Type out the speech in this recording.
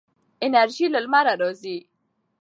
انرژي له لمره راځي.